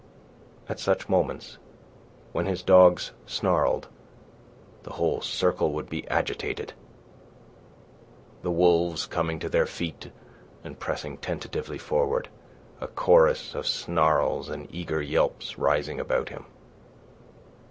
At such moments, when his dogs snarled, the whole circle would be agitated, the wolves coming to their feet and pressing tentatively forward, a chorus of snarls and eager yelps rising about him.